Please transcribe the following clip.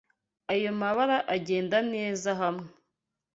Ayo mabara agenda neza hamwe.